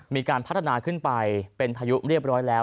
มีการพัฒนาขึ้นไปเป็นพายุเรียบร้อยแล้ว